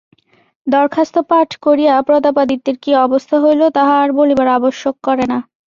দরখাস্ত পাঠ করিয়া প্রতাপাদিত্যের কি অবস্থা হইল তাহা আর বলিবার আবশ্যক করে না।